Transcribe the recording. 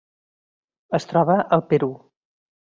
Es troba al Perú.